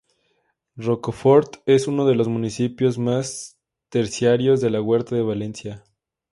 Rocafort es uno de los municipios más terciarios de la Huerta de Valencia.